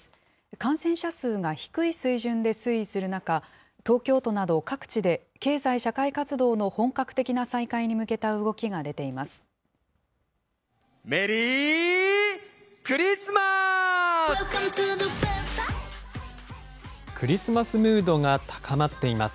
感染者数が低い水準で推移する中、東京都など、各地で経済社会活動の本格的な再開に向けた動きが出ています。